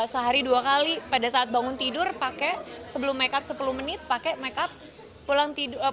sehari dua kali pada saat bangun tidur pakai sebelum makeup sepuluh menit pakai makeup